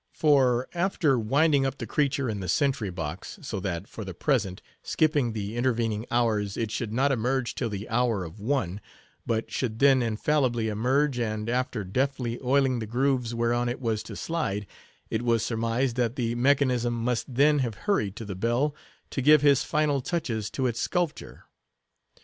For, after winding up the creature in the sentry box, so that, for the present, skipping the intervening hours, it should not emerge till the hour of one, but should then infallibly emerge, and, after deftly oiling the grooves whereon it was to slide, it was surmised that the mechanician must then have hurried to the bell, to give his final touches to its sculpture.